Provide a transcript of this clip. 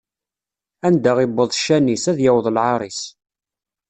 Anda iwweḍ ccan-is, ad yaweḍ lɛaṛ-is.